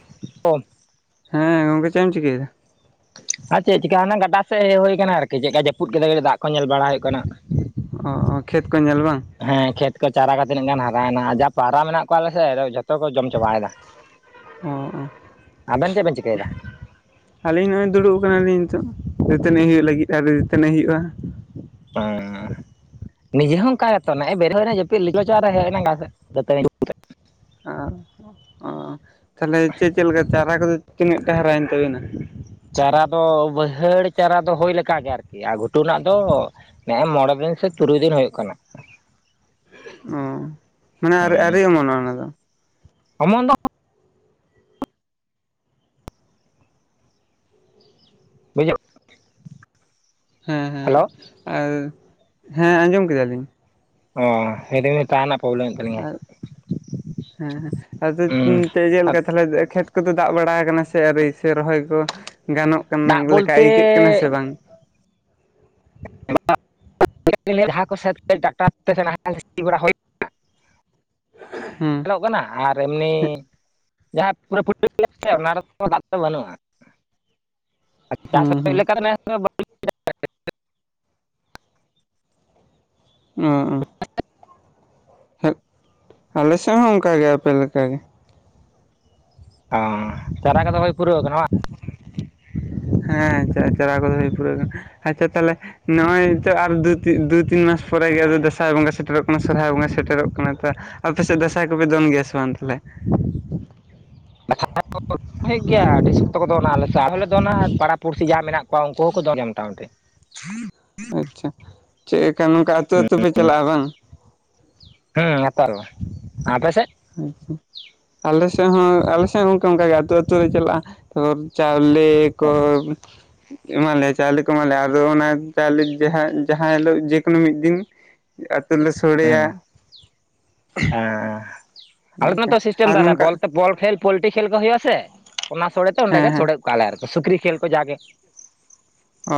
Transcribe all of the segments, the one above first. [unintelligible] ᱦᱮᱸ ᱜᱚᱢᱠᱮ ᱪᱮᱜ ᱮᱢ ᱪᱤᱠᱟᱹᱭᱮᱫᱟ᱾ ᱟᱨ ᱪᱮᱜ ᱪᱤᱠᱟ ᱮᱱᱟ ᱜᱟᱰᱟ ᱥᱮᱜ ᱦᱮᱡ ᱦᱳᱭ ᱠᱟᱱᱟ ᱟᱨ ᱠᱤ ᱪᱮᱜᱠᱟ ᱡᱟᱹᱯᱩᱫ ᱠᱮᱫᱟ ᱫᱟᱜ ᱠᱚ ᱧᱮᱞ ᱵᱟᱲᱟ ᱦᱳᱭᱳᱜ ᱠᱟᱱᱟ᱾ ᱚᱸ ᱠᱷᱮᱛ ᱠᱚ ᱧᱮᱞ ᱵᱟᱝ᱾ ᱦᱮᱸ ᱠᱷᱮᱛ ᱠᱚ ᱪᱟᱨᱟ ᱠᱟ ᱛᱤᱱᱟᱹᱜ ᱜᱟᱱ ᱦᱟᱨᱟᱭᱮᱱᱟ ᱡᱟ ᱯᱟᱣᱨᱟ ᱢᱮᱱᱟᱜ ᱠᱚᱣᱟ ᱟᱞᱮ ᱥᱮᱜ ᱡᱷᱚ ᱛᱚ ᱠᱚ ᱡᱚᱢ ᱪᱟᱵᱟᱭᱫᱟ ᱚ ᱚ ᱟᱵᱮᱱ ᱪᱮᱜ ᱵᱮᱱ ᱪᱤᱠᱟᱹᱭᱫᱟ᱾ ᱟᱞᱤᱧ ᱱᱚᱜᱚᱭ ᱫᱩᱲᱩᱵ ᱠᱟᱱᱟ ᱞᱤᱧ ᱱᱤᱛᱚᱜ ᱫᱟᱹᱛᱟᱹᱱᱤᱜ ᱦᱩᱭᱩᱜ ᱞᱟᱹᱜᱤᱫ ᱟᱣᱨᱤ ᱫᱟᱹᱛᱟᱹᱱᱤᱜ ᱦᱩᱭᱩᱜ-ᱟ᱾ ᱦᱩᱸ ᱱᱤᱡᱮ ᱦᱚᱸ ᱚᱱᱠᱟ ᱜᱮᱛᱚ ᱱᱮᱜ-ᱮ ᱵᱮᱨᱮᱜ ᱦᱳᱭᱱᱟ ᱡᱟᱹᱯᱤᱜ ᱞᱤ ᱞᱚᱪᱚ ᱟᱨ ᱦᱮᱡ ᱦᱩᱭ ᱮᱱᱟ [unintelligible] ᱥᱮᱜ ᱫᱟᱹᱛᱟᱹᱱᱤ᱾ ᱚ ᱚ ᱛᱟᱦᱚᱞᱮ ᱪᱮᱫ ᱪᱮᱫ ᱞᱮᱠᱟ ᱪᱟᱨᱟ ᱠᱚᱫᱚ ᱛᱤᱱᱟᱹᱜ ᱴᱟ ᱦᱟᱨᱟᱭᱮᱱ ᱛᱟᱹᱵᱤᱱᱟ? ᱪᱟᱨᱟ ᱫᱚ ᱵᱟᱹᱭᱦᱟᱹᱲ ᱪᱟᱨᱟ ᱫᱚ ᱦᱳᱭ ᱞᱮᱠᱟᱜ ᱜᱮ ᱟᱨᱠᱤ ᱟᱨ ᱜᱷᱩᱴᱩ ᱨᱮᱱᱟᱜ ᱫᱚ ᱱᱮᱜ-ᱮᱸ ᱢᱚᱸᱬᱮ ᱫᱤᱱ ᱥᱮ ᱛᱩᱨᱩᱭ ᱫᱤᱱ ᱦᱩᱭᱩᱜ ᱠᱟᱱᱟ᱾ ᱚ ᱢᱟᱱᱮ ᱟ. ᱦᱩᱸ ᱨ-ᱟᱹᱨᱤ ᱚᱢᱚᱱᱚᱜᱼᱟ ᱚᱱᱟ ᱫᱚ? ᱚᱢᱚᱱ ᱫᱚ ᱵᱩᱡᱷᱩᱜ ᱦᱮᱸ ᱦᱮᱸ ᱟᱨ ᱦᱮᱸ ᱟᱸᱡᱚᱢ ᱠᱮᱫᱟᱞᱤᱧ᱾ [unintelligible] ᱟᱨ ᱦᱮᱸ ᱦᱮᱸ ᱟᱫᱚ ᱛᱤᱱ ᱛᱮ ᱦᱮᱸᱥᱮ ᱪᱮᱫᱞᱮᱠᱟ ᱛᱟᱦᱚᱞᱮ ᱠᱷᱮᱛ ᱠᱚᱫᱚ ᱫᱟᱜ ᱵᱟᱲᱟᱣ ᱠᱟᱱᱟ ᱥᱮ ᱟᱣᱨᱤ ᱥᱮ ᱨᱚᱦᱚᱭ ᱠᱚ ᱜᱟᱱᱚᱜ ᱠᱟᱱᱟ ᱫᱟᱜ ᱞᱮᱠᱟ ᱵᱚᱞᱛᱮ ᱟᱹᱭᱠᱟᱹᱜ ᱠᱟᱱᱟ ᱥᱮ ᱵᱟᱝ? [unintelligible] ᱦᱩᱸ᱾ ᱧᱮᱞᱚᱜ ᱠᱟᱱᱟ ᱟᱨ ᱮᱢᱱᱤ ᱡᱟᱦᱟᱸᱭ ᱯᱩᱨᱟᱹ ᱯᱩᱨᱤ ᱜᱮ ᱚᱱᱟ ᱨᱮᱛᱚ ᱫᱟᱜ ᱛᱚ ᱵᱟᱹᱱᱩᱜᱼᱟ᱾ ᱦᱩᱸ ᱦᱩᱸ [inaudible] ᱩᱸ ᱩᱸ᱾ ᱟᱞᱮ ᱥᱮᱫ ᱦᱚᱸ ᱚᱱᱠᱟᱜᱮ ᱟᱯᱮ ᱞᱮᱠᱟ ᱜᱮ᱾ ᱚ ᱪᱟᱨᱟ ᱠᱚᱫᱚ ᱦᱳᱭ ᱯᱩᱨᱟᱹᱣ ᱠᱟᱱᱟ ᱵᱟᱝ? ᱦᱮᱸ ᱪᱟ-ᱪᱟᱨᱟ ᱠᱚᱫᱚ ᱦᱩᱭ ᱯᱩᱨᱟᱹᱣ ᱠᱟᱱᱟ ᱟᱪᱪᱷᱟ ᱛᱟᱦᱚᱞᱮ ᱱᱚᱜᱼᱚᱭ ᱱᱤᱛᱟᱛᱚ ᱟᱨ ᱫᱩ ᱛᱤᱱ ᱫᱩ ᱛᱤᱱ ᱢᱟᱥ ᱯᱚᱨᱮ ᱜᱮ ᱟᱫᱚ ᱫᱟᱸᱥᱟᱭ ᱵᱚᱸᱜᱟ ᱥᱮᱴᱮᱨᱚᱜ ᱠᱟᱱᱟ ᱥᱚᱨᱦᱟᱭ ᱵᱚᱸᱜᱟ ᱥᱮᱴᱮᱨᱚᱜ ᱠᱟᱱᱟ ᱛᱚ ᱟᱯᱮᱥᱮᱫ ᱫᱥᱟᱭ ᱠᱚᱯᱮ ᱫᱚᱱ ᱜᱮᱭᱟ ᱥᱮ ᱵᱟᱝ ᱛᱟᱦᱞᱮ? [unintelligible] ᱦᱩᱭᱩᱜ ᱜᱮᱭᱟ ᱟᱹᱰᱤ ᱥᱚᱠᱛᱚ ᱠᱚ ᱫᱚᱱᱟ ᱟᱞᱮ ᱥᱮᱫ ᱟᱨᱦᱚᱸᱞᱮ ᱫᱚᱱᱟ ᱯᱟᱲᱟ ᱯᱩᱲᱥᱤ ᱡᱟ ᱢᱮᱱᱟᱜ ᱠᱚᱣᱟ ᱩᱱᱠᱩ ᱦᱚᱸᱠᱚ ᱫᱚᱱ ᱜᱮᱭᱟ ᱢᱚᱴᱟ ᱢᱩᱴᱤ᱾ ᱟᱪᱪᱷᱟ ᱪᱮᱫ ᱮᱠᱟ ᱱᱚᱝᱠᱟ ᱟᱹᱛᱩ ᱟᱹᱛᱩ ᱯᱮ ᱪᱟᱞᱟᱜᱼᱟ ᱵᱟᱝᱻ ᱦᱩᱸ ᱱᱮᱨᱛᱟᱨ ᱵᱟ᱾ ᱟᱯᱮᱥᱮᱫ? ᱟᱪᱪᱷᱟ᱾ ᱟᱞᱮ ᱥᱮᱫ ᱦᱚᱸ ᱟᱞᱮ ᱥᱮᱫ ᱦᱚᱸ ᱜᱚᱝᱠᱮ ᱚᱱᱠᱟᱜᱮ ᱟᱹᱛᱩ ᱟᱹᱛᱩ ᱞᱮ ᱪᱟᱞᱟᱜᱼᱟ ᱛᱟᱨᱯᱚᱨ ᱪᱟᱣᱞᱮ ᱠᱚ ᱮᱢᱟ ᱞᱮᱭᱟ ᱪᱟᱣᱞᱮ ᱠᱚ ᱮᱢᱟ ᱞᱮᱭᱟ ᱟᱨᱫᱚ ᱚᱱᱟ ᱪᱟᱣᱞᱮ ᱡᱟᱦᱟᱸ ᱡᱟᱦᱟᱸ ᱦᱤᱞᱳᱜ ᱡᱮᱠᱳᱱ ᱢᱤᱫ ᱫᱤᱱ ᱟ. ᱛᱩ ᱨᱮᱞᱮ ᱦᱮᱸ ᱦᱮᱸ ᱟᱞᱮ ᱫᱚ ᱚᱱᱠᱟ ᱱᱚᱛᱮ ᱥᱤᱥᱴᱮᱢ ᱟᱨ ᱛᱟᱞᱮ ᱱᱚᱝᱠᱟ ᱵᱚᱞ ᱛᱮ ᱵᱚᱞ ᱠᱷᱮᱞ ᱯᱚᱞᱴᱤ ᱠᱷᱮᱞ ᱠᱚ ᱦᱩᱭᱩᱜᱼᱟ ᱥᱮ, ᱚᱱᱟ ᱥᱚᱲᱮᱛᱮ ᱚᱸᱰᱮ ᱦᱮᱸ ᱜᱮ ᱦᱮᱸ ᱥᱚᱲᱮ ᱜᱚᱫ ᱠᱚᱜ-ᱟ ᱞᱮ ᱟᱨᱠᱤ ᱥᱩᱠᱨᱤ ᱠᱷᱮᱞ ᱠᱚ ᱡᱟ ᱜᱮ᱾ ᱚ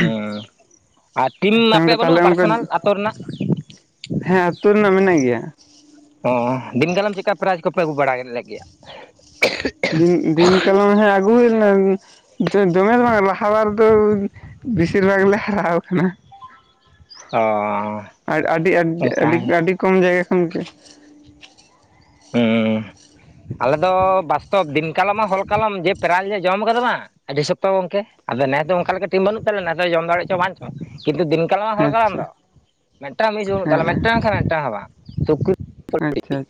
ᱦᱩᱸ ᱟᱨ ᱴᱤᱢ ᱟᱪᱪᱷᱟ ᱜᱚᱝᱠᱮ ᱟᱯᱮᱭᱟᱜ ᱛᱟᱦᱚᱞᱮ ᱵᱟᱹᱱᱩᱜᱼᱟ ᱚᱱᱠᱟ ᱯᱟᱨᱥᱚᱱᱟᱞ ᱟᱛᱳ ᱨᱮᱱᱟᱜ? ᱦᱮᱸ ᱟᱹᱛᱩ ᱨᱮᱱᱟᱜ ᱢᱮᱱᱟᱜ ᱜᱮᱭᱟ᱾ ᱚ ᱫᱤᱱᱠᱟᱞᱟᱢ ᱪᱮᱠᱟ ᱯᱨᱟᱭᱤᱡᱽ ᱠᱚᱯᱮ ᱟᱹᱜᱩ ᱵᱟᱲᱟ ᱞᱮᱫ ᱜᱮᱭᱟ? ᱫᱤᱱ ᱫᱤᱱ ᱠᱟᱞᱚᱢ ᱦᱮᱸ ᱟᱜᱩ ᱦᱩᱭ ᱞᱮᱱᱟ ᱫᱚ-ᱫᱚᱢᱮ ᱫᱚ ᱵᱟᱝ ᱞᱟᱦᱟ ᱵᱟᱨ ᱫᱚ ᱵᱤᱥᱤᱨ ᱵᱷᱟᱜ ᱞᱮ ᱦᱟᱨᱟᱶ ᱠᱟᱱᱟ᱾ ᱚ ᱟᱹᱰᱤ ᱟᱹᱰᱤ ᱚᱱᱠᱟ ᱟᱹᱰᱤ ᱜᱮ ᱟᱹᱰᱤ ᱠᱚᱢ ᱡᱟᱭᱜᱟ ᱠᱷᱚᱱ ᱜᱮ ᱦᱩᱸ, ᱟᱞᱮ ᱫᱚ ᱵᱟᱥᱛᱚᱵ ᱫᱤᱱ ᱠᱟᱞᱚᱢᱟ ᱦᱚᱞᱠᱟᱞᱚᱢ ᱡᱮ ᱯᱨᱟᱭᱤᱡ ᱞᱮ ᱡᱚᱢ ᱠᱟᱫᱟ ᱵᱟᱝ ᱟᱹᱰᱤ ᱥᱚᱠᱛᱚ ᱜᱚᱢᱠᱮ ᱟᱫᱚ ᱱᱮᱥ ᱫᱚ ᱚᱱᱠᱟ ᱞᱮᱠᱟ ᱴᱤᱢ ᱵᱟᱹᱱᱩᱜ ᱛᱟᱞᱮ ᱱᱮᱥ ᱫᱚ ᱡᱚᱢ ᱫᱟᱲᱮᱜ ᱪᱚ ᱵᱟᱝ ᱪᱚ᱾ ᱠᱤᱱᱛᱩ ᱫᱤᱱ ᱠᱟᱞᱚᱢ ᱟᱨ ᱦᱚᱞ ᱠᱟᱞᱚᱢ ᱟᱪᱪᱷᱟ ᱫᱚ ᱢᱤᱫᱴᱟᱝ ᱢᱤᱥ ᱵᱟᱹᱱᱩᱜ ᱛᱟᱞᱮ ᱦᱮᱸ ᱢᱤᱫᱴᱟᱝ ᱠᱷᱟᱱ ᱢᱤᱫᱴᱟᱝ ᱦᱚᱸ ᱵᱟᱝ ᱟᱪᱪᱷᱟ [unintelligible]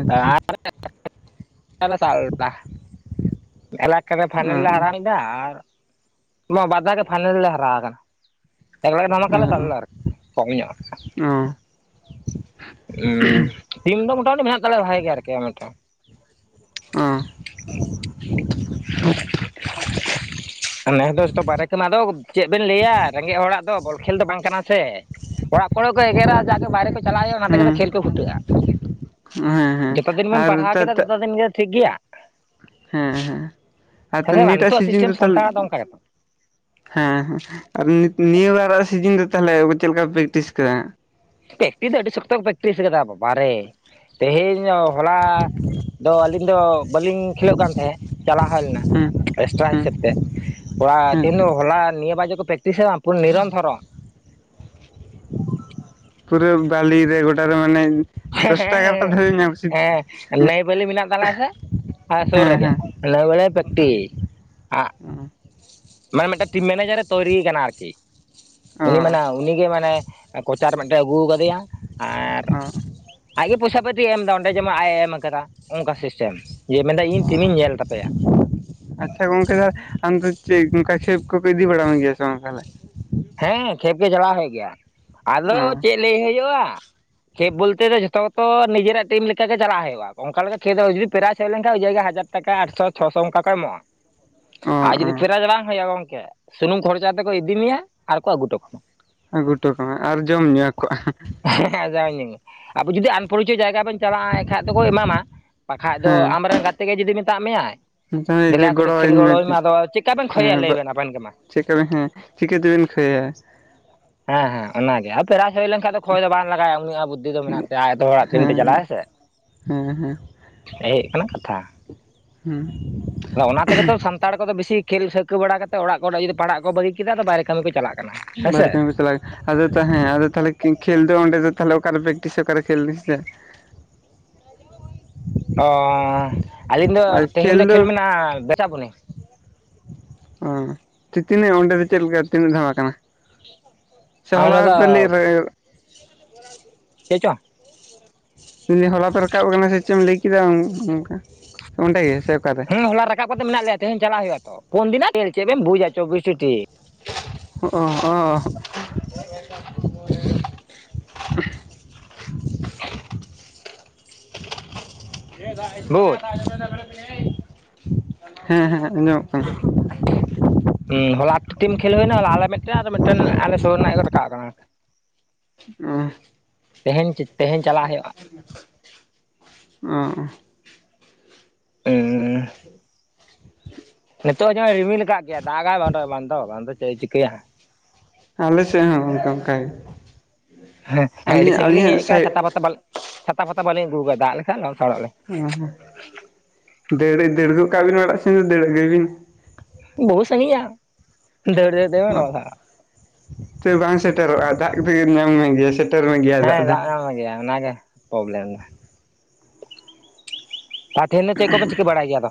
ᱟᱪᱪᱷᱟ [inaudible] ᱮᱞᱟᱠᱟᱨᱮ ᱚ ᱯᱷᱟᱭᱱᱮᱞ ᱞᱮ ᱦᱟᱨᱟᱣ ᱞᱮᱫᱟ ᱟᱨ ᱱᱚᱣᱟ ᱵᱟᱨᱫᱷᱟᱣ ᱜᱮ ᱯᱷᱟᱭᱱᱮᱞ ᱞᱮ ᱦᱟᱨᱟᱣ ᱠᱟᱱᱟ᱾ ᱛᱟᱜᱲᱟ ᱜᱮ ᱫᱷᱟᱢᱟᱠᱟ ᱞᱮᱫᱟ ᱟᱨᱠᱤ ᱠᱚᱢ ᱧᱚᱜ᱾ ᱚ᱾ ᱩᱸ, ᱴᱤᱢ ᱫᱚ ᱢᱳᱴᱟᱢᱩᱴᱤ ᱢᱮᱱᱟᱜ ᱛᱟᱞᱮᱭᱟ ᱵᱷᱟᱜᱮ ᱜᱮ ᱟᱨᱠᱤ ᱟᱢᱱᱤ ᱛᱮᱦᱚᱸ᱾ ᱟᱸ ᱱᱮᱥ ᱫᱚ ᱡᱚ ᱵᱟᱨ ᱠᱟᱱᱟᱫᱚ ᱪᱮᱫ ᱵᱮᱱ ᱞᱟᱹᱭᱟ ᱨᱮᱸᱜᱮᱡ ᱦᱚᱲᱟᱜ ᱫᱚ ᱵᱚᱞ ᱠᱷᱮᱞ ᱫᱚ ᱵᱟᱝ ᱠᱟᱱᱟ ᱥᱮ᱾ ᱠᱚᱲᱟᱜ ᱠᱚᱨᱮ ᱠᱚ ᱮᱜᱟᱨᱟ ᱡᱮ ᱵᱟᱭᱨᱮ ᱠᱚ ᱪᱟᱞᱟᱣ ᱦᱩᱸ ᱠᱷᱮᱞ ᱠᱚ ᱯᱷᱩᱴᱟᱹᱜᱼᱟ ᱦᱮᱸ ᱦᱮᱸ ᱡᱚᱛᱚ ᱫᱤᱱᱢ ᱟᱨ ᱯᱟᱲᱦᱟᱣ ᱛᱟ ᱠᱮᱫᱟ ᱛᱚᱛᱚ ᱫᱤᱱ ᱜᱮ ᱴᱷᱤᱠ ᱜᱮᱭᱟ, ᱦᱮᱸ ᱦᱮᱸ ᱟᱨ ᱛ ᱦᱮᱸ ᱥᱮ ᱵᱟᱝ ᱱᱤᱭᱟᱹᱴᱟᱜ ᱱᱤᱛᱚᱜ ᱥᱤᱡᱤᱱ ᱥᱤᱥᱴᱮᱢ ᱫᱚ ᱛᱟᱦᱮᱞ ᱥᱟᱱᱛᱟᱲᱟᱜ ᱚᱱᱠᱟ ᱜᱮᱛᱚ ᱦᱮᱸ ᱦᱮᱸ ᱟᱨ ᱱᱤᱭᱟᱹ ᱵᱟᱨᱟᱜ ᱥᱤᱡᱤᱱ ᱨᱮ ᱛᱟᱦᱚᱞᱮ ᱪᱮᱫ ᱞᱮᱠᱟ ᱯᱮᱠᱴᱤᱥ ᱟᱠᱟᱫᱟ? ᱯᱮᱠᱴᱤᱥ ᱫᱚ ᱟᱹᱰᱤ ᱥᱚᱠᱛᱚ ᱠᱚ ᱯᱮᱠᱴᱤᱥ ᱠᱟᱫᱟ ᱵᱟᱵᱟᱨᱮ ᱛᱮᱦᱮᱧ ᱦᱚᱞᱟ ᱟ ᱟᱹᱞᱤᱧ ᱫᱚ ᱵᱟᱟᱹᱞᱤᱧ ᱠᱷᱮᱞᱳᱜ ᱠᱟᱱ ᱛᱟᱦᱮᱸᱫ ᱪᱟᱞᱟᱣ ᱦᱩᱭ ᱞᱮᱱᱟ ᱦᱮᱸ ᱮᱠᱥᱴᱨᱟ ᱦᱮᱸ ᱦᱤᱥᱟᱹᱵ ᱛᱮ, ᱠᱚᱲᱟ ᱦᱮᱸ ᱛᱤᱱ ᱦᱚᱞᱟ ᱱᱤᱭᱟᱹ ᱵᱟᱡᱮ ᱠᱚ ᱯᱨᱮᱠᱤᱤᱥ ᱠᱟᱫᱟ ᱱᱤᱨᱚᱱᱛᱚᱨ᱾ ᱯᱩᱨᱟᱹ ᱵᱟᱞᱤ ᱨᱮ ᱜᱚᱴᱟ ᱨᱮ ᱢᱟᱱᱮ ᱫᱚᱥᱴᱟ ᱮᱜᱟᱨᱚᱴᱟ ᱦᱮᱸ ᱫᱷᱟᱹᱵᱤᱡ ᱧᱟᱢ ᱠᱮᱫ ᱦᱮᱸ ᱱᱟᱹᱭ ᱵᱟᱹᱞᱤ ᱢᱮᱱᱟᱜ ᱛᱟᱞᱮᱭᱟ ᱥᱮ ᱟ ᱥᱩᱨ ᱦᱮᱸ ᱨᱮᱜᱮ᱾ ᱦᱮᱸ [inaudible] ᱵᱮᱲᱮ ᱯᱮᱠᱴᱤᱥ ᱾ ᱢᱟᱱᱮ ᱢᱤᱫᱴᱮᱱ ᱴᱤᱢ ᱢᱮᱱᱮᱡᱟᱨ ᱮ ᱛᱳᱭᱨᱤᱭ ᱠᱟᱱᱟ ᱟᱨᱠᱤ᱾ ᱚ ᱩᱱᱤ ᱢᱮᱱᱟ ᱚ ᱩᱱᱤᱜᱮ ᱢᱟᱱᱮ ᱠᱚᱪᱟᱨ ᱢᱤᱫᱴᱮᱱ ᱟᱹᱜᱩ ᱠᱟᱫᱮᱭᱟ ᱟᱨ ᱟᱡ ᱜᱮ ᱯᱚᱭᱥᱟ ᱯᱟᱛᱤᱭ ᱮᱢ ᱮᱫᱟ ᱚᱸᱰᱮ ᱡᱮᱢᱚᱱ ᱟᱡ ᱮ ᱮᱢ ᱟᱠᱟᱫᱟ ᱚᱱᱠᱟ ᱥᱤᱥᱴᱮᱢ ᱡᱮ ᱢᱮᱱᱮᱫ ᱫᱟ ᱤᱧ ᱴᱤᱢ ᱤᱧ ᱧᱮᱞ ᱛᱟᱯᱮᱭᱟ᱾ ᱟᱪᱪᱷᱟ ᱜᱚᱝᱠᱮ ᱛᱟᱦ ᱟᱢᱫᱚ ᱪᱮᱫ ᱚᱱᱠᱟ ᱠᱷᱮᱞ ᱠᱚᱠᱚ ᱤᱫᱤ ᱵᱟᱲᱟ ᱢᱮ ᱜᱮᱭᱟ ᱥᱮ ᱵᱟᱝ ᱛᱟᱦᱚᱞᱮ? ᱦᱮᱸ ᱠᱷᱮᱞ ᱜᱮ ᱪᱟᱞᱟᱣ ᱦᱩᱭᱩᱜ ᱜᱮᱭᱟ ᱟᱫᱚ ᱪᱮᱫ ᱞᱟᱹᱭ ᱦᱩᱭᱳᱜᱼᱟ ᱠᱷᱮᱞ ᱵᱚᱞᱛᱮ ᱡᱚᱛᱚ ᱜᱮᱛᱚ ᱱᱤᱡᱮᱨᱟᱜ ᱴᱤᱢ ᱞᱮᱠᱟ ᱜᱮ ᱪᱟᱞᱟᱜ ᱦᱩᱭᱩᱜᱼᱟ ᱚᱱᱠᱟ ᱞᱮᱠᱟ ᱠᱷᱮᱞ ᱡᱩᱫᱤ ᱯᱨᱟᱭᱤᱡ ᱦᱮᱡ ᱞᱮᱱᱠᱷᱟᱱᱡ ᱡᱟᱜᱮ ᱦᱟᱡᱟᱨ ᱴᱟᱠᱟ ᱟᱴᱥᱚ ᱪᱷᱚ ᱥᱚ ᱚᱱᱠᱟ ᱠᱚ ᱮᱢᱚᱜᱼᱟ᱾ ᱚ ᱟᱨ ᱚ ᱡᱩᱫᱤ ᱯᱷᱮᱨᱟᱡ ᱵᱟᱝ ᱦᱩᱭᱩᱜᱼᱟ ᱜᱚᱝᱠᱮ ᱥᱩᱱᱩᱢ ᱠᱷᱚᱨᱪᱟ ᱛᱮᱠᱚ ᱤᱫᱤ ᱢᱮᱭᱟ ᱟᱨᱠᱚ ᱟᱹᱜᱩ ᱦᱚᱴᱚ ᱠᱟᱢᱟ᱾ ᱟᱹᱜᱩ ᱦᱚᱴᱚ ᱠᱟᱜ ᱟᱨ ᱡᱚᱢᱧ ᱠᱚᱜᱼᱟ᱾ ᱦᱮᱸ [unintelligible] ᱡᱩᱫᱤ ᱟᱱ ᱯᱚᱨᱤᱪᱚᱭᱚ ᱡᱟᱭᱜᱟ ᱵᱚᱱ ᱪᱟᱞᱟᱜᱼᱟ ᱮᱱᱠᱷᱟᱡ ᱫᱚᱠᱚ ᱮᱢᱟᱢᱟ᱾ ᱵᱟᱠᱷᱟᱡ ᱫᱚ ᱦᱮᱸ ᱟᱢᱨᱮᱱ ᱜᱟᱛᱮ ᱜᱮ ᱡᱩᱫᱤ ᱢᱮᱛᱟᱜ ᱢᱮᱭᱟᱭ, ᱡᱮ ᱫᱮᱞᱟ ᱠᱟᱴᱤᱡ ᱠᱷᱮᱞ ᱜᱚᱲᱚᱣᱟᱹᱧ ᱜᱚᱲᱚ ᱟ ᱹᱧ ᱢᱮ ᱟᱫᱚ ᱪᱤᱠᱟ ᱵᱮᱱ ᱠᱷᱚᱡᱭᱟ ᱞᱟᱹᱭ ᱵᱮᱱ ᱟᱵᱮᱱ ᱜᱮ ᱢᱟ᱾ ᱪᱮᱫᱠᱟᱵᱮᱱ ᱦᱮᱸ ᱪᱤᱠᱟᱹᱛᱮᱵᱮᱱ ᱠᱷᱟᱹᱭᱟ᱾ ᱦᱮᱸ ᱦᱮᱸ ᱚᱱᱟᱜᱮ ᱟᱨ ᱯᱮᱨᱟᱡ ᱦᱳᱭ ᱞᱮᱱᱠᱷᱟᱱᱡ ᱫᱚ, ᱚ ᱠᱷᱚᱭ ᱫᱚ ᱵᱟᱝ ᱞᱟᱜᱟᱭ ᱩ ᱩᱱᱤᱭᱟᱜ ᱵᱩᱫᱽᱫᱷᱤ ᱫᱚ ᱢᱮᱱᱟᱜ ᱛᱟᱭ ᱮᱛᱳ ᱦᱚᱲᱟᱜ ᱛᱮ ᱪᱟᱞᱟᱜ ᱦᱮᱸ ᱥᱮ ᱦᱮᱸ ᱦᱮᱸ ᱮᱭ ᱦᱩᱭᱩᱜ ᱠᱟᱱᱟ ᱠᱟᱛᱷᱟ᱾ ᱦᱮᱸ ᱟᱫᱚ ᱚᱱᱟ ᱛᱮᱜᱮ ᱛᱚ ᱥᱟᱱᱛᱟᱲ ᱠᱚᱫᱚ ᱵᱤᱥᱤ ᱠᱷᱮᱞᱟᱹᱠᱟᱹ ᱵᱟᱲᱟ ᱠᱟᱛᱮ ᱚᱲᱟᱜ ᱠᱚᱨᱮ ᱡᱩᱫᱤ ᱯᱟᱲᱟᱜ ᱠᱚ ᱵᱟᱹᱜᱤ ᱠᱮᱫᱟ ᱟ ᱵᱟᱭᱨᱮ ᱠᱟᱹᱢᱤ ᱠᱚ ᱪᱟᱞᱟᱜ ᱠᱟᱱᱟ᱾ ᱦᱮᱸᱥᱮ ᱵᱟᱦᱨᱮ ᱠᱟᱹᱢᱤ ᱠᱚ ᱪᱟᱞᱟᱜ ᱟᱫᱚ ᱛᱟᱦᱮᱸ ᱮᱸ ᱟᱫᱚ ᱛᱟᱦᱚᱞᱮ ᱠᱷᱮᱞ ᱫᱚ ᱚᱸᱰᱮ ᱫᱚ ᱛᱟᱦᱞᱮ ᱚᱠᱟᱨᱮ ᱯᱮᱠᱴᱤᱥᱚᱜ ᱚᱠᱟᱨᱮ ᱠᱷᱮᱞ ᱱᱤᱥ ᱫᱚ᱾ ᱚ ᱟᱹᱞᱤᱧ ᱫᱚ ᱛᱮᱦᱮᱧ ᱫᱚ ᱠᱷᱮᱞ ᱢᱮᱱᱟᱜᱼᱟ ᱵᱮᱪᱟᱵᱚᱱᱤ᱾ ᱚ ᱛᱤᱱᱟᱹᱜ ᱚᱸᱰᱮ ᱫᱚ ᱪᱮᱫᱞᱮᱠᱟ ᱛᱤᱱᱟᱹᱜ ᱫᱷᱟᱣᱟ ᱠᱟᱱᱟ᱾ ᱥᱮ ᱚᱱᱟ ᱦᱚᱞᱟ ᱫᱚ ᱯᱚᱞᱤ ᱪᱮ ᱪᱚᱝ [unintelligible] ᱦᱚᱞᱟ ᱯᱮ ᱨᱟᱠᱟᱵ ᱟᱠᱟᱱᱟ ᱥᱮ ᱪᱮᱫ ᱮᱢ ᱞᱟᱹᱭ ᱠᱮᱫᱟ ᱚᱱᱠᱟ ᱚᱸᱰᱮ ᱜᱮ ᱥᱮ ᱚᱠᱟᱨᱮ, ᱦᱮᱸ ᱦᱚᱞᱟ ᱨᱟᱠᱟᱵ ᱠᱟᱛᱮ ᱢᱮᱱᱟᱜ ᱞᱮᱭᱟ ᱛᱮᱦᱮᱧ ᱪᱟᱞᱟᱜ ᱦᱩᱭᱩᱜᱼᱟ ᱛᱚ ᱯᱩᱱ ᱫᱤᱱᱟᱜ ᱠᱦᱮᱞ ᱪᱮᱫᱮᱢ ᱵᱩᱡᱟ ᱪᱚᱵᱤᱥ ᱴᱤ ᱴᱤᱢ ᱾ ᱚᱸᱜ ᱚᱸ ᱚᱻ [unintelligible] ᱦᱮᱸ ᱵᱩᱡ ᱦᱮᱸ ᱦᱮᱸ ᱟᱸᱡᱚᱢᱚᱜ ᱠᱟᱱᱟ᱾ ᱦᱩᱸ ᱦᱚᱞᱟ ᱟᱴ ᱴᱤ ᱴᱤᱢ ᱠᱷᱮᱞ ᱦᱩᱭᱱᱟ ᱟᱞᱮ ᱢᱤᱫᱴᱟᱹᱝ ᱟᱨ ᱢᱤᱫᱴᱟᱹᱝ ᱟᱞᱮ ᱥᱳᱨ ᱨᱮᱱᱟᱜ ᱜᱮᱠᱚ ᱨᱟᱠᱟᱵ ᱠᱟᱱᱟ᱾ ᱩᱸ ᱛᱮᱦᱮᱧ ᱛᱮᱦᱮᱧ ᱪᱟᱞᱟᱜ ᱦᱩᱭᱩᱜᱼᱟ ᱩᱸ ᱩᱸᱻ ᱱᱤᱛᱚᱜ ᱡᱟᱦᱟᱸᱭ ᱨᱤᱢᱤᱞ ᱟᱠᱟᱫ ᱜᱮᱭᱟ ᱫᱟᱜᱟᱭ ᱵᱟᱝ ᱫᱚ ᱵᱟᱝᱫᱚ ᱪᱮᱫ ᱮ ᱪᱤᱠᱟᱹᱭᱟ ᱦᱟᱜ, ᱟᱞᱮ ᱥᱮᱫ ᱦᱚᱸ, ᱚᱱᱠᱟ ᱚᱱᱠᱟ ᱜᱮ ᱦᱮᱸ, ᱦᱮᱸ ᱟᱹᱰᱤ ᱟᱹᱞᱤᱧᱟᱜ ᱥᱟᱺᱜᱤᱧ ᱞᱤᱧ ᱦᱮᱡ ᱟᱹᱞᱤᱧᱟᱜ ᱟᱠᱟᱱᱟ ᱥᱟᱭᱤᱰ ᱪᱷᱟᱛᱟ ᱯᱟᱛᱟ ᱵᱟᱞᱼᱼ ᱪᱷᱟᱛᱟ ᱯᱷᱟᱛᱟ ᱵᱟᱞᱤᱧ ᱟᱹᱜᱩ ᱠᱟᱫᱟ ᱫᱟᱜ ᱞᱮᱠᱷᱟᱱ ᱞᱚᱦᱚᱫ ᱥᱟᱲᱚᱜ ᱟᱞᱤᱧ᱾ ᱚ ᱫᱟᱹᱲ ᱫᱟᱹᱲᱜᱚᱜ ᱠᱟᱜ ᱵᱤᱱ ᱚᱲᱟᱜ ᱥᱮᱱ ᱫᱚ ᱫᱟᱹᱲ ᱟᱹᱜᱩᱭ ᱵᱤᱱ᱾ ᱵᱚᱦᱩ ᱥᱟᱺᱜᱤᱧᱟ ᱫᱟᱹᱲ ᱫᱟᱹᱲ [unintelligible] ᱥᱮ ᱵᱟᱝ ᱥᱮᱴᱮᱨᱚᱜᱼᱟ ᱫᱟᱜ [unintelligible] ᱧᱟᱢ ᱢᱮᱜᱭᱟ ᱥᱮ᱾ ᱦᱮᱸ ᱫᱟᱜ ᱧᱟᱢ ᱢᱮᱼᱜᱮᱭᱟ ᱚᱱᱟ ᱜᱮ ᱯᱨᱚᱵᱞᱮᱢ ᱫᱚ᱾ ᱛᱮᱦᱮᱱ ᱫᱚ ᱪᱮᱫ ᱠᱚᱵᱮᱱ ᱪᱤᱠᱟᱹ ᱵᱟᱲᱟᱭ ᱜᱮᱭᱟ ᱟᱫᱚ?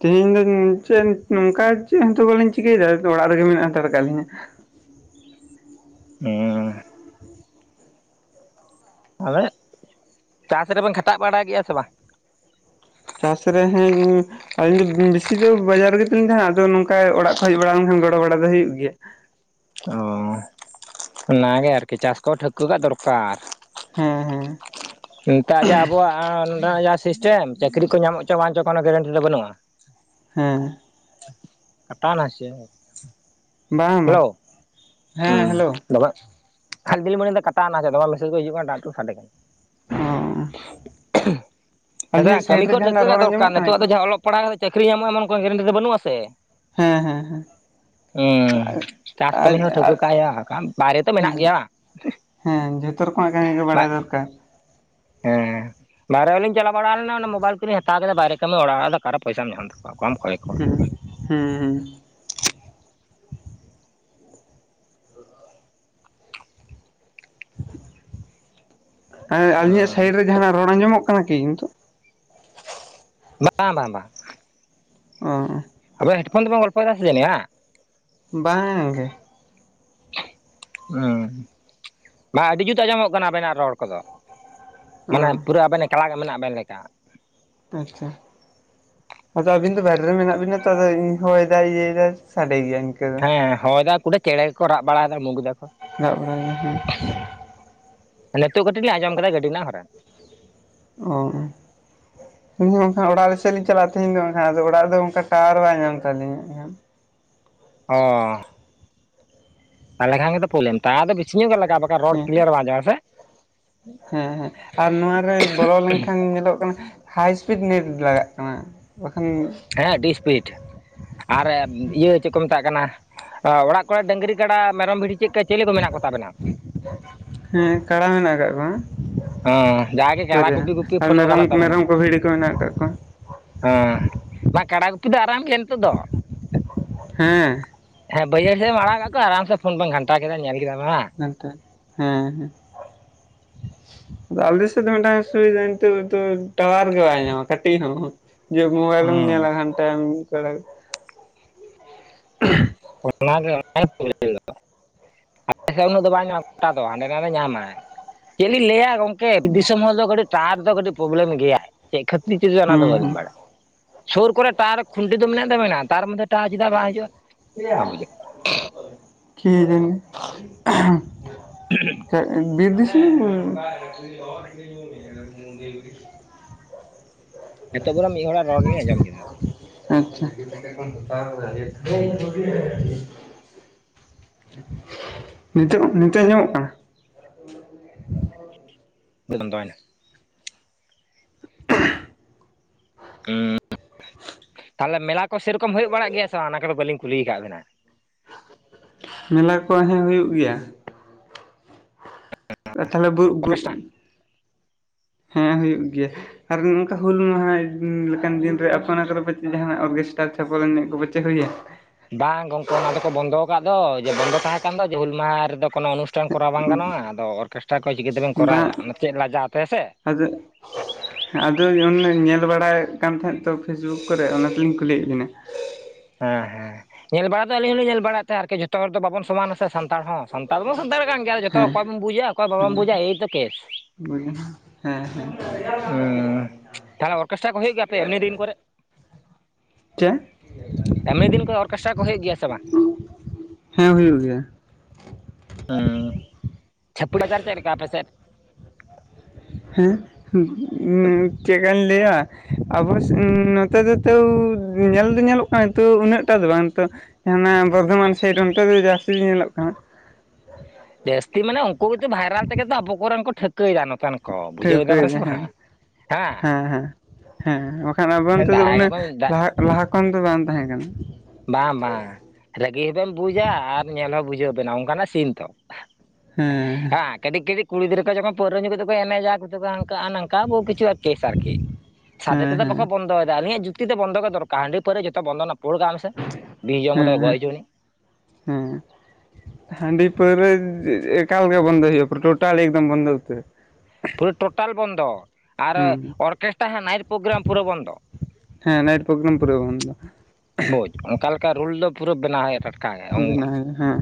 ᱛᱮᱦᱤᱧ ᱫᱚ ᱪᱮᱫ ᱱᱚᱝᱠᱟ ᱪᱮᱫ ᱦᱚᱸᱛᱚ ᱵᱟᱹᱞᱤᱧ ᱪᱤᱠᱟᱹᱭᱫᱟ ᱚᱲᱟᱜ ᱨᱮᱜᱮ ᱢᱮᱱᱟᱜ ᱦᱟᱛᱟᱲ ᱠᱟᱜ ᱞᱤᱧᱟ᱾ ᱦᱮᱸ᱾ ᱟᱵᱮᱱ ᱪᱟᱥ ᱨᱮᱵᱮᱱ ᱠᱷᱟᱴᱟᱜ ᱵᱟᱲᱟ ᱜᱮᱭᱟ ᱥᱮ ᱵᱟᱝ? ᱪᱟᱥ ᱨᱮ ᱦᱮᱸᱧ ᱟᱞᱤᱧ ᱫᱚ ᱵᱮᱥᱤ ᱫᱚ ᱵᱟᱡᱟᱨ ᱨᱮᱜᱮ ᱛᱚᱞᱤᱧ ᱛᱟᱦᱮᱸᱱᱟ ᱟᱫᱚ ᱱᱚᱝᱠᱟ ᱚᱲᱟᱜ ᱠᱚ ᱦᱮᱡ ᱵᱟᱲᱟ ᱞᱮᱱᱠᱷᱟᱱ ᱜᱚᱲᱚ ᱵᱟᱲᱟ ᱫᱚ ᱦᱩᱭᱩᱜ ᱜᱮᱭᱟ᱾ ᱚᱸ ᱚᱱᱟ ᱜᱮ ᱟᱨᱠᱤ ᱪᱟᱥ ᱠᱚᱦᱚᱸ ᱴᱷᱟᱹᱣᱠᱟᱹ ᱠᱟᱜ ᱫᱚᱨᱠᱟᱨ᱾ ᱦᱮᱸ ᱦᱮᱸ᱾ ᱱᱮᱛᱟᱜ ᱡᱮ ᱟᱵᱚᱣᱟᱜ ᱱᱚᱸᱰᱮᱱᱟᱜ ᱡᱟ ᱥᱤᱥᱴᱮᱢ ᱪᱟᱹᱠᱨᱤ ᱠᱚ ᱧᱟᱢᱚᱜ ᱪᱚ ᱵᱟᱝ ᱪᱚ ᱠᱳᱱᱳ ᱜᱮᱨᱮᱱᱴᱤ ᱫᱚ ᱵᱟᱹᱱᱩᱜᱼᱟ᱾ ᱦᱮᱸ᱾ ᱠᱟᱴᱟᱣᱱᱟ ᱥᱮ ᱪᱮᱫ? ᱵᱟᱝ ᱵᱟᱝ ᱦᱮᱞᱳ ᱦᱮᱸ ᱩᱸ ᱦᱮᱞᱳ [unintelligible] ᱠᱷᱟᱞᱤ ᱫᱚᱞᱤᱧ ᱢᱚᱱᱮᱤᱫᱟ ᱠᱟᱴᱟᱣᱱᱟ ᱥᱮ ᱪᱮᱫ ᱫᱚᱢᱮ ᱢᱮᱥᱮᱡᱽ ᱠᱚ ᱤᱡᱩᱜ ᱠᱟᱱᱟ ᱴᱟᱜ ᱴᱩᱜ ᱥᱟᱰᱮ ᱠᱟᱱᱟ᱾ ᱚᱸ᱾ ᱦᱮᱸ ᱥᱮ ᱵᱟᱝ ᱠᱟᱹᱢᱤ ᱨᱮ ᱠᱚ ᱴᱷᱟᱹᱣᱠᱟᱹ ᱡᱟᱦᱟᱱᱟᱜ ᱠᱟᱜ ᱨᱚᱲ ᱫᱚᱨᱠᱟᱨ ᱟᱸᱡᱚᱢᱚᱜ ᱠᱟᱱᱟ ᱱᱤᱛᱚᱜ ᱫᱚ ᱠᱤ ᱡᱟᱦᱟᱸ ᱚᱞᱚᱜᱼᱼ ᱯᱟᱲᱦᱟᱣ ᱠᱟᱛᱮ ᱪᱟᱹᱠᱨᱤ ᱧᱟᱢᱚᱜᱼᱟ ᱮᱢᱚᱱ ᱠᱳᱱᱳ ᱜᱮᱨᱮᱱᱴᱤ ᱫᱚ ᱵᱟᱹᱱᱩᱜᱼᱟ ᱥᱮ᱾ ᱦᱮᱸ ᱦᱮᱸ ᱦᱮᱸ᱾ ᱦᱩᱸ ᱪᱟᱥ ᱟᱨ ᱠᱟᱹᱢᱤ ᱦᱚᱸ ᱴᱷᱟᱹᱣᱠᱟᱹ ᱟᱨ ᱠᱟᱜ ᱦᱳᱭᱳᱜ-ᱟ ᱵᱟᱠᱟᱱ ᱵᱟᱭᱨᱮ ᱛᱚ ᱢᱮᱱᱟᱜ ᱦᱮᱸ ᱜᱮᱭᱟ ᱵᱟᱝ᱾ ᱦᱮᱸ ᱡᱷᱚᱛᱚ ᱨᱚᱠᱚᱢᱟᱜ ᱠᱟᱹᱢᱤ ᱜᱮ ᱵᱟᱭ ᱵᱟᱰᱟᱭ ᱫᱚᱨᱠᱟᱨ᱾ ᱦᱮᱸ᱾ ᱵᱟᱦᱨᱮ ᱦᱚᱸᱞᱤᱧ ᱪᱟᱞᱟᱣ ᱵᱟᱲᱟ ᱞᱮᱱᱟ ᱚᱱᱟ ᱢᱚᱵᱟᱭᱤᱞ ᱠᱚᱞᱤᱧ ᱦᱟᱛᱟᱣ ᱠᱮᱫ ᱵᱟᱭᱨᱮ ᱠᱟᱹᱢᱤ ᱚᱲᱟᱜ ᱨᱮᱱᱟᱜ ᱫᱚ ᱚᱠᱟ ᱨᱮ ᱯᱚᱭᱥᱟᱢ ᱧᱟᱢ ᱛᱟᱠᱚᱣᱟ ᱚᱠᱚᱭᱮᱢ ᱠᱷᱚᱭ ᱠᱚᱣᱟ? ᱩᱸ ᱦᱮᱸ ᱦᱮᱸ᱾ ᱦᱮᱸ, ᱟᱹᱞᱤᱧᱟᱜ ᱦᱩᱸ ᱥᱟᱭᱤᱰ ᱨᱮ ᱡᱟᱦᱟᱱᱟᱜ ᱨᱚᱲ ᱟᱸᱡᱚᱢᱚᱜ ᱠᱟᱱᱟ ᱠᱤ? ᱵᱟᱝ ᱵᱟᱝ ᱵᱟᱝ᱾ ᱚᱸ᱾ ᱟᱵᱮᱱ ᱦᱮᱰᱯᱷᱳᱱ ᱛᱮᱵᱤᱱ ᱜᱚᱞᱯᱷᱚᱭᱫᱟ ᱥᱮᱫ ᱱᱮᱭᱟᱹᱢᱟ? ᱵᱟᱸᱝ ᱜᱮ᱾ ᱚᱸ, ᱵᱟᱝ ᱟᱹᱰᱤ ᱡᱩᱛ ᱟᱸᱡᱚᱢᱚᱜ ᱠᱟᱱᱟ ᱟᱵᱮᱱᱟᱜ ᱨᱚᱲ ᱠᱚᱫᱚ᱾ ᱚ ᱢᱟᱱᱮ ᱯᱩᱨᱟᱹ ᱟᱵᱮᱱ ᱮᱠᱞᱟ ᱜᱮ ᱢᱮᱱᱟᱜ ᱵᱮᱱ ᱞᱮᱠᱟ᱾ ᱟᱪᱪᱷᱟ᱾ ᱟᱫᱚ ᱟᱵᱤᱱ ᱫᱚ ᱵᱟᱭᱨᱮ ᱨᱮ ᱢᱮᱱᱟᱜ ᱵᱤᱱᱟ ᱛᱚ ᱟᱫᱚᱧ ᱦᱚᱭ ᱮᱫᱟᱭ ᱤᱭᱟᱹ ᱮᱫᱟᱭ ᱥᱟᱰᱮ ᱜᱮᱭᱟ ᱤᱱᱠᱟᱹ᱾ ᱫᱚ ᱦᱮᱸ ᱦᱚᱭ ᱫᱟ ᱠᱩᱰᱟᱹ ᱪᱮᱬᱮ ᱜᱮᱠᱚ ᱨᱟᱜ ᱵᱟᱲᱟᱭᱮᱫᱟ ᱚᱢᱩᱜᱽ ᱮᱫᱟ ᱠᱚ᱾ [unintelligible] ᱵᱟᱲᱟᱭ ᱮᱫᱟ ᱦᱮᱸ᱾ ᱱᱮᱛᱳᱜ ᱠᱟᱹᱴᱤᱡ ᱞᱤᱧ ᱟᱸᱡᱚᱢ ᱠᱮᱫᱟ ᱜᱟᱹᱰᱤ ᱨᱮᱱᱟᱜ ᱦᱚᱨᱚᱱ᱾ ᱚᱸ᱾ ᱤᱧ ᱦᱚᱸ ᱮᱱᱠᱷᱟᱱ ᱚᱲᱟᱜ ᱥᱮᱫ ᱞᱤᱧ ᱪᱟᱞᱟᱜᱼᱟ ᱛᱮᱦᱮᱧ ᱫᱚ ᱵᱟᱝᱠᱷᱟᱱ ᱟᱫᱚ ᱚᱲᱟᱜ ᱨᱮᱫᱚ ᱚᱱᱠᱟ ᱴᱟᱣᱟᱨ ᱵᱟᱭ ᱧᱟᱢᱟ ᱠᱟᱫᱤᱧᱟ ᱦᱟᱸᱜ ᱠᱷᱟᱱ᱾ ᱚᱻ ᱛᱟᱞᱦᱮ ᱠᱷᱟᱱ ᱜᱮᱛᱚ ᱯᱨᱚᱵᱞᱮᱢ ᱛᱟᱣᱟᱨ ᱫᱚ ᱵᱤᱥᱤ ᱧᱚᱜ ᱜᱮ ᱞᱟᱜᱟᱜ-ᱟ ᱵᱟᱠᱷᱟᱱ ᱨᱚᱲ ᱦᱮᱸ ᱠᱞᱤᱭᱟᱨ ᱵᱟᱝ ᱟᱸᱡᱚᱢᱚᱜᱼᱟ᱾ ᱦᱮᱸ ᱥᱮ? ᱦᱮᱸ ᱦᱮᱸ, ᱟᱨ ᱱᱚᱣᱟᱨᱮ ᱵᱚᱞᱚ ᱞᱮᱱᱠᱷᱟᱱ ᱧᱮᱞᱚᱜ ᱠᱟᱱᱟ ᱦᱟᱭ ᱥᱯᱤᱰ ᱱᱮᱴ ᱞᱟᱜᱟᱜ ᱠᱟᱱᱟ ᱵᱟᱠᱷᱟᱱᱼᱼ ᱦᱮᱸ ᱟᱹᱰᱤ ᱥᱯᱤᱰ ᱾ ᱟᱨ ᱤᱭᱟᱹ ᱪᱮᱫ ᱠᱚ ᱢᱮᱛᱟᱜ ᱠᱟᱱᱟ, ᱚᱲᱟᱜ ᱠᱚᱨᱮ ᱰᱟᱝᱨᱤ ᱜᱟᱰᱟ ᱢᱮᱨᱚᱢ ᱵᱷᱤᱲᱰᱤ ᱪᱮᱫ ᱠᱟᱡᱼᱼ ᱪᱮᱞᱮ ᱠᱚ ᱢᱮᱱᱟᱜ ᱠᱚ ᱛᱟᱵᱮᱱᱟ? ᱦᱮᱸ ᱠᱟᱲᱟ ᱢᱮᱱᱟᱜ ᱟᱠᱟᱫ ᱠᱚᱣᱟ ᱦᱮᱸ ᱡᱟᱜᱮ ᱾ ᱠᱟᱲᱟ ᱦᱚᱭᱥᱮ, ᱜᱩᱯᱤ ᱜᱩᱯᱤ ᱟᱨ ᱯᱷᱳᱱ ᱦᱚᱸ ᱢᱮᱨᱚᱢ ᱜᱟᱱᱚᱜ ᱛᱟᱵᱮᱱᱟ ᱢᱮᱨᱚᱢ ᱠᱚ ᱵᱷᱤᱰᱤ ᱠᱚ ᱢᱮᱱᱟᱜ ᱠᱟᱜ ᱠᱚᱣᱟ ᱾ ᱦᱮᱸ, ᱵᱟᱝ ᱠᱟᱰᱟ ᱜᱩᱯᱤ ᱫᱚ ᱟᱨᱟᱢ ᱜᱮᱭᱟ ᱱᱤᱛᱚᱜ ᱫᱚ ᱾ ᱦᱮᱸ᱾ ᱦᱮᱸ ᱵᱟᱹᱭᱦᱟᱹᱲ ᱥᱮᱫ ᱮᱢ ᱟᱲᱟᱜ ᱠᱟᱜ ᱠᱚᱣᱟ ᱟᱨᱟᱢ ᱥᱮ ᱯᱷᱚᱱ ᱠᱚᱢ ᱜᱷᱟᱱᱴᱟ ᱠᱮᱫᱟ ᱧᱮᱞ ᱠᱮᱫᱟᱢ ᱦᱮᱸ ᱾ ᱮᱱᱛᱮ ᱦᱮᱸ ᱦᱮᱸ᱾ ᱟᱫᱚ ᱟᱞᱮ ᱥᱮᱫ ᱫᱚ ᱢᱤᱫᱴᱟᱝ ᱟᱞᱮ ᱥᱮᱫ ᱫᱚ ᱢᱤᱫᱴᱟᱝ ᱚᱥᱩᱵᱤᱫᱷᱟ ᱱᱤᱛᱚᱜ ᱫᱚ ᱴᱟᱣᱟᱨ ᱜᱮ ᱵᱟᱭ ᱧᱟᱢᱟ ᱠᱟᱹᱴᱤᱡ ᱦᱚᱸ ᱾ ᱡᱮ ᱢᱳᱵᱟᱭᱤᱞᱮᱢ ᱧᱮᱞᱟ ᱦᱩᱸ ᱜᱷᱟᱱᱴᱟᱭᱟᱢ ᱢᱤᱫ ᱵᱮᱲᱟ ᱜᱮ ᱾ ᱦ [unintelligible] ᱦᱚᱭ ᱚᱱᱟ ᱜᱮ [unintelligible] ᱚᱱᱟ ᱜᱮ ᱯᱚᱵᱞᱮᱢ ᱫᱚ ᱟᱞᱮᱥᱮᱫ ᱦᱚᱸ ᱩᱱᱟᱹᱜ ᱫᱚ ᱵᱟᱭ ᱧᱟᱢᱟ ᱜᱚᱴᱟ ᱫᱚ, ᱦᱟᱸᱰᱮ ᱱᱟᱰᱮ ᱧᱟᱢᱟᱭ ᱪᱮᱫ ᱞᱤᱧ ᱞᱟᱹᱭᱟ ᱜᱚᱝᱼᱼ ᱠᱮ ᱫᱤᱥᱚᱢ ᱦᱚᱲ ᱫᱚ ᱠᱟᱹᱴᱤᱡ ᱴᱟᱣᱟᱨ ᱨᱮᱫᱚ ᱠᱟᱹᱴᱤᱡ ᱯᱨᱚᱵᱞᱮᱢ ᱜᱮᱭᱟ, ᱪᱮᱫ ᱠᱷᱟᱹᱛᱤᱨ ᱛᱮ ᱪᱚ ᱚᱱᱟ ᱫᱚ ᱵᱟᱹᱞᱤᱧ ᱦᱩᱸ ᱵᱟᱲᱟᱭᱟ ᱾ ᱥᱩᱨ ᱠᱚᱨᱮ ᱴᱟᱣᱟᱨ ᱠᱷᱩᱱᱴᱤ ᱫᱚ ᱢᱮᱱᱟᱜ ᱫᱚ ᱢᱮᱱᱟᱜ-ᱟ, ᱛᱟᱨ ᱢᱚᱫᱽᱫᱮ ᱴᱟᱣᱟᱨ ᱪᱮᱫᱟᱜ ᱵᱟᱝ ᱦᱤᱡᱩᱜᱼᱟ ᱾ ᱠᱮ ᱡᱟᱹᱱᱤ [unintelligible] ᱦᱸ [unintelligible] ᱵᱤᱨ ᱫᱤᱥᱚᱢᱼᱼ [unintelligible] ᱱᱤᱛᱚᱜ ᱫᱚ ᱱᱟᱜ ᱢᱤᱫ ᱦᱚᱲᱟᱜ ᱨᱚᱲ ᱜᱮᱞᱤᱧ ᱟᱸᱡᱚᱢ ᱠᱮᱫᱟ ᱾ ᱟᱪᱪᱷᱟ [inaudible] ᱱᱤᱛᱚᱜ ᱱᱤᱛᱚᱜ ᱟᱸᱡᱚᱢᱚᱜ ᱠᱟᱱᱟ? ᱱᱤᱛᱚᱜ ᱵᱚᱱᱫᱚᱭᱮᱱᱟ ᱾ ᱩᱸ ᱛᱟᱦᱚᱞᱮ ᱢᱮᱞᱟ ᱠᱚ ᱥᱮᱨᱚᱠᱚᱢ ᱦᱩᱭᱩᱜ ᱵᱟᱲᱟᱜ ᱜᱮᱭᱟ ᱥᱮ ᱵᱟᱝ, ᱚᱱᱟ ᱠᱚᱫᱚ ᱵᱟᱹᱞᱤᱧ ᱠᱩᱞᱤ ᱟᱠᱟᱫ ᱵᱮᱱᱟ ᱿ ᱢᱮᱞᱟ ᱠᱚ ᱦᱮᱸ ᱦᱩᱭᱩᱜ ᱜᱮᱭᱟ ᱾ ᱛᱟᱦᱚᱞᱮ ᱵᱟᱹᱜ ᱵᱟᱹᱜᱼᱼ ᱚᱨᱠᱮᱥᱴᱨᱟ ᱦᱮᱸ ᱦᱩᱭᱩᱜ ᱜᱮᱭᱟ ᱾ ᱟᱨ ᱱᱚᱝᱠᱟ ᱦᱩᱞ ᱢᱟᱦᱟ ᱞᱮᱠᱟᱱ ᱫᱤᱱ ᱨᱮ ᱟᱯᱮ ᱚᱱᱟ ᱠᱚᱨᱮ ᱯᱟᱪᱮ ᱡᱟᱦᱟᱱᱟᱜ ᱚᱨᱠᱮᱥᱴᱟᱨ ᱪᱷᱟᱯᱚᱞ ᱮᱱᱮᱡ ᱠᱚ ᱯᱟᱪᱮᱫ ᱦᱩᱭᱮᱱ? ᱵᱟᱝ ᱜᱚᱝᱠᱮ ᱚᱱᱟ ᱫᱚᱠᱚ ᱵᱚᱱᱫᱚ ᱟᱠᱟᱫ ᱫᱚ, ᱡᱮ ᱵᱚᱱᱫᱚ ᱛᱟᱦᱮᱸ ᱠᱟᱱ ᱫᱚ ᱡᱮ ᱦᱩᱞ ᱢᱟᱦᱟ ᱨᱮᱫᱚ ᱠᱚᱱᱚ ᱚᱱᱩᱥᱼᱼ ᱴᱟᱱ ᱠᱚᱨᱟᱣ ᱵᱟᱝ ᱜᱟᱱᱚᱜᱼᱟ, ᱟᱫᱚ ᱚᱨᱠᱮᱥᱴᱨᱟ ᱠᱚ ᱪᱤᱠᱟᱹᱛᱮ ᱵᱤᱱ ᱠᱚᱨᱟᱣᱟ ᱚᱱᱟ ᱪᱮᱫ ᱞᱟᱡᱟᱣ ᱛᱮ ᱥᱮ ᱾ ᱟᱫᱚᱼᱼ [unintelligible] ᱦᱮᱸ ᱟᱫᱚ ᱚᱱᱟ ᱧᱮᱞ ᱵᱟᱲᱟᱭᱮᱫ ᱠᱟᱱ ᱛᱟᱦᱮᱸᱜ ᱛᱚ ᱯᱷᱮᱥᱵᱩᱠ ᱠᱚᱨᱮᱫ ᱚᱱᱟ ᱛᱮᱞᱤᱧ ᱠᱩᱞᱤᱭᱮᱫ ᱵᱤᱱᱟ ᱾ ᱦᱮᱸ ᱦᱮᱸ ᱧᱮᱞ ᱵᱟᱲᱟ ᱫᱚ ᱟᱞᱤᱧ ᱦᱚᱞᱤᱧ ᱧᱮᱞ ᱵᱟᱲᱟᱭᱮᱫ ᱛᱟᱦᱮᱸ ᱟᱨᱠᱤ ᱡᱷᱚᱛᱚ ᱦᱚᱲ ᱫᱚ ᱵᱟᱵᱚᱱ ᱥᱚᱢᱟᱱᱟ ᱾ ᱥᱮ ᱥᱟᱱᱛᱟᱲ ᱦᱚᱸ, ᱥᱟᱱᱛᱟᱲ ᱢᱟ ᱥᱟᱱᱛᱟᱲ ᱠᱟᱱ ᱜᱮᱭᱟ ᱡᱚᱛᱚ ᱦᱚᱲ ᱦᱮᱸ ᱚᱠᱚᱭ ᱵᱚᱱ ᱵᱩᱡᱟ ᱚᱠᱚᱭ ᱵᱟᱵᱚᱱ ᱦᱮᱸ ᱵᱩᱡᱟ ᱮᱭᱛᱚ ᱠᱮᱥ ᱾ [unintelligible] ᱦᱮᱸ ᱦᱮᱸ ᱦᱩᱸ ᱛᱟᱦᱞᱮ ᱚᱨᱠᱮᱥᱴᱟᱨ ᱠᱚ ᱦᱩᱭᱩᱜ ᱜᱮᱭᱟ ᱟᱯᱮ ᱮᱢᱱᱤ ᱫᱤᱱ ᱠᱚᱨᱮ? ᱪᱮᱫ ᱮᱢᱱᱤ ᱫᱤᱱ ᱠᱚᱨᱮ ᱚᱨᱠᱮᱥᱴᱨᱟ ᱠᱚ ᱦᱩᱭᱩᱜ ᱜᱮᱭᱟ ᱥᱮ ᱵᱟᱝ? ᱦᱮᱸ ᱦᱩᱭᱩᱜ ᱜᱮᱭᱟ ᱾ ᱦᱩᱸ ᱪᱷᱟᱯᱤ ᱟᱠᱟᱨ ᱪᱮᱫ ᱞᱮᱠᱟ ᱟᱯᱮ ᱥᱮᱫ? ᱦᱮᱸ ᱪᱮᱫᱠᱟᱧ ᱞᱟᱹᱭᱟᱼᱼ ᱟᱵᱚ ᱱᱚᱛᱮ ᱥᱮᱱ ᱛᱟᱹᱣ ᱧᱮᱞ ᱫᱚ ᱧᱮᱞᱚᱜ ᱠᱟᱱᱟ ᱛᱚ ᱩᱱᱟᱹᱜ ᱴᱟᱠ ᱫᱚ ᱵᱟᱝ ᱾ ᱛᱚᱼᱼ ᱵᱚᱨᱫᱷᱚᱢᱟᱱ ᱥᱟᱭᱤᱰ ᱚᱱᱛᱮ ᱫᱚ ᱡᱟᱹᱥᱛᱤ ᱜᱮ ᱧᱮᱞᱚᱜ ᱠᱟᱱᱟ ᱾ ᱡᱟᱹᱥᱛᱤ ᱢᱟᱱᱮ ᱩᱱᱠᱩ ᱜᱮ ᱵᱷᱟᱭᱨᱟᱞ ᱛᱮᱜᱮ ᱛᱚ ᱟᱵᱚ ᱠᱚᱨᱮᱱ ᱠᱚ ᱴᱷᱟᱹᱣᱠᱟᱹᱭᱮᱫᱟ ᱱᱚᱛᱮᱱ ᱠᱚ ᱵᱩᱡᱷᱟᱹᱣᱮᱫᱟ ᱵᱮᱱ ᱥᱮ ᱴᱷᱟᱹᱣᱠᱟᱹᱭᱮᱫᱟ ᱦᱮᱸ ᱵᱟᱝ ᱾ ᱦᱮᱸ ᱦᱮᱸ ᱦᱮᱸ ᱵᱟᱠᱷᱟᱱ ᱟᱵᱚ ᱚᱱᱛᱮ ᱫᱚ ᱫᱟᱜ ᱢᱟᱱᱮ ᱜᱮᱵᱮᱱ ᱫᱟᱜ ᱞᱟᱦᱟᱜ ᱞᱟᱦᱟ ᱠᱷᱚᱱ ᱫᱚ ᱵᱟᱝ ᱛᱟᱦᱮᱸ ᱠᱟᱱᱟ᱾ ᱵᱟᱝ ᱵᱟᱝ ᱨᱟᱹᱜᱤ ᱦᱚᱸᱵᱮᱱ ᱵᱩᱡᱟ ᱟᱨ ᱧᱮᱞ ᱦᱚᱸ ᱵᱩᱡᱷᱟᱹᱣ ᱵᱮᱱᱟ ᱚᱱᱠᱟᱱᱟᱜ ᱥᱤᱱ ᱛᱚ᱾ ᱦᱮᱸ᱾ ᱠᱟᱹᱴᱤᱡ ᱠᱟᱹᱴᱤᱡ ᱠᱩᱲᱤ ᱜᱤᱫᱽᱨᱟᱹ ᱠᱚ ᱡᱠᱷᱱ ᱯᱟᱣᱨᱟᱹ ᱧᱩ ᱠᱟᱛᱮ ᱠᱚ ᱮᱱᱮᱡᱟ ᱠᱤᱪᱷᱩᱠᱚ ᱦᱟᱝᱠᱟᱜ-ᱟ ᱱᱟᱝᱠᱟ ᱠᱟ ᱵᱩᱦᱩ ᱠᱤᱪᱷᱩ ᱟᱨ ᱠᱮᱥ ᱟᱨᱠᱤ, ᱥᱟᱫᱮ ᱦᱮᱸ ᱛᱮᱫᱚ ᱦᱮᱸ ᱵᱟᱠᱚ ᱵᱚᱱᱫᱚᱭᱫᱟ ᱟᱹᱞᱤᱧᱟᱜ ᱡᱩᱛ ᱛᱤ ᱫᱚ ᱵᱚᱱᱫᱚ ᱜᱮ ᱫᱚᱨᱠᱟᱨ ᱦᱟᱺᱰᱤ ᱯᱟᱹᱣᱨᱟᱹ ᱡᱷᱚᱛᱚ ᱵᱚᱱᱫᱚ ᱱᱟᱯᱚᱲ ᱠᱟᱜ ᱢᱮᱥᱮ᱾ ᱵᱤᱥ ᱦᱩᱸ ᱡᱚᱢ ᱠᱟᱛᱮ ᱠᱚ ᱦᱩᱸ ᱜᱚᱡ ᱦᱚᱪᱚᱱᱤᱡ ᱦᱮᱸ᱾ ᱦᱟᱺᱰᱤ ᱯᱟᱹᱣᱨᱟᱹ ᱮᱠᱟᱞ ᱜᱮ ᱵᱚᱫᱚᱭ ᱦᱩᱭᱩᱜ-ᱟ ᱯᱩᱨᱟᱹ ᱴᱳᱴᱟᱞ ᱮᱠᱫᱚᱢ ᱵᱚᱱᱫᱚ ᱩᱛᱟᱹᱨ᱾ ᱯᱩᱨᱟᱹ ᱴᱳᱴᱟᱞ ᱵᱚᱱᱫᱚ ᱟᱨ ᱦᱩᱸ ᱚᱨᱠᱮᱥᱴᱟ ᱦᱟᱸ ᱱᱟᱭᱤᱴ ᱯᱨᱳᱜᱨᱟᱢ ᱯᱩᱨᱟᱹ ᱵᱚᱱᱫᱚ᱾ ᱦᱮᱸ ᱱᱟᱭᱤᱴ ᱯᱨᱳᱜᱨᱟᱢ ᱯᱩᱨᱟᱹ ᱵᱚᱱᱫᱚ᱾ ᱵᱩᱡᱽ ᱚᱱᱠᱟ ᱞᱮᱠᱟ ᱨᱩᱞ ᱫᱚ ᱯᱩᱨᱟᱹ ᱵᱮᱱᱟᱣ ᱦᱩᱭᱩᱜ-ᱟ ᱴᱟᱴ ᱵᱮᱱᱟ ᱦᱩᱭᱩᱜ-ᱟ ᱦᱮᱸ᱾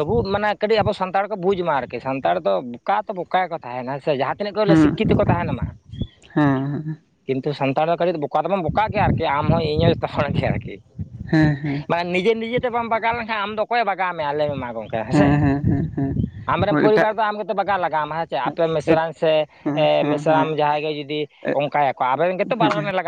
ᱛᱟᱹᱵᱩᱜ ᱢᱟᱱᱮ ᱠᱟᱹᱴᱤᱡ ᱟᱵᱚ ᱥᱟᱱᱛᱟᱲ ᱠᱚ ᱵᱩᱡ ᱢᱟ ᱟᱨᱠᱤ ᱥᱟᱱᱛᱟᱲ ᱫᱚ ᱵᱚᱠᱟ ᱛᱚ ᱵᱚᱠᱟ ᱜᱮᱠᱚ ᱛᱟᱦᱮᱸᱱᱟ ᱥᱮ ᱡᱟᱦᱟᱸ ᱛᱤᱱᱟᱹᱜ ᱠᱚ ᱞᱟᱹᱭᱟ ᱦᱮᱸ ᱥᱤᱠᱠᱷᱤᱛᱚ ᱠᱚ ᱛᱟᱦᱮᱸᱱᱢᱟ, ᱠᱤᱱᱛᱩ ᱥᱟᱱᱛᱟᱲ ᱫᱚ ᱠᱟᱹᱴᱤᱡ ᱫᱚ ᱵᱚᱠ ᱠᱟ ᱫᱚᱵᱚᱱ ᱵᱚᱠᱟ ᱜᱮᱭᱟ ᱟᱨᱠᱤ ᱟᱢ ᱦᱚᱸ ᱤᱧ ᱦᱚᱸ ᱡᱷᱚᱛᱚ ᱦᱚᱲ ᱜᱮ ᱟᱨᱠᱤ᱾ ᱦᱮᱸ ᱦᱮᱸ ᱢᱟᱱᱮ ᱱᱤᱡᱮ ᱱᱤᱡᱮ ᱛᱮ ᱵᱟᱢ ᱵᱟᱜᱟᱣ ᱞᱮᱱᱠᱷᱟᱱ ᱟᱢ ᱫᱚ ᱚᱠᱚᱭᱮ ᱵᱟᱜᱟᱣ ᱢᱮᱭᱟ ᱞᱟᱹᱭᱢᱮ? ᱚᱝᱠᱮ ᱦᱮᱸᱥᱮ᱾ ᱦᱮᱸ ᱦᱮᱸ ᱦᱮᱸ ᱦᱮᱸ ᱟᱢᱨᱮᱱ ᱦᱳᱭ ᱮᱴᱟᱜ ᱯᱚᱨᱤᱵᱟᱨ ᱫᱚ ᱟᱢ ᱜᱮᱛᱚ ᱵᱟᱜᱟᱣ ᱞᱟᱜᱟᱣᱟᱢᱟ ᱦᱮᱸ ᱪᱮᱫ ᱟᱯᱮ ᱮᱴ ᱢᱤᱥᱨᱟᱧ ᱥᱮ ᱦᱮᱸ ᱮᱸᱻ ᱦᱮᱸ ᱦᱮᱸ ᱢᱮᱥᱨᱟᱢ ᱡᱟᱦᱟᱸᱭ ᱜᱮ ᱡᱩᱫᱤ ᱚᱱᱠᱟᱭᱟᱠᱚ ᱟᱵᱤᱱ ᱨᱮᱱ ᱜᱮᱛᱚ ᱵᱟᱨᱚᱱᱮ ᱞᱟᱜᱟᱣ